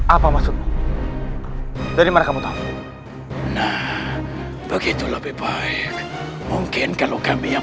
apa maksudmu dari mereka mau tahu nah begitu lebih baik mungkin kalau kami yang